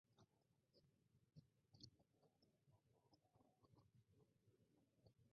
Cuando se compró el terreno estaba antiguamente una laguna muy conocida: La laguna Argüello.